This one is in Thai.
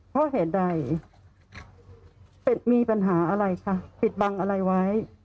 เพราะเหตุใดเป็ดมีปัญหาอะไรค่ะปิดบังอะไรไว้